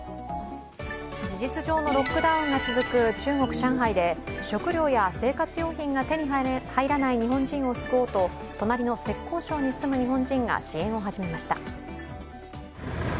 事実上のロックダウンが続く中国・上海で食料や生活用品が手に入らない日本人を救おうと隣の浙江省に住む日本人が支援を始めました。